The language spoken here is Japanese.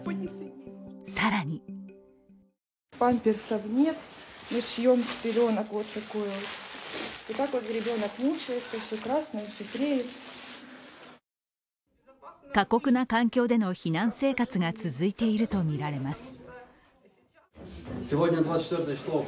更に過酷な環境での避難生活が続いているとみられます。